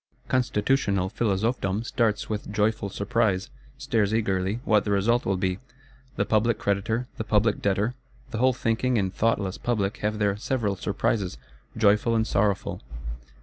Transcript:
Constitutional Philosophedom starts with joyful surprise; stares eagerly what the result will be. The public creditor, the public debtor, the whole thinking and thoughtless public have their several surprises, joyful and sorrowful.